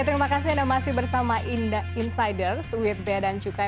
terima kasih anda masih bersama insiders with bea dan cukai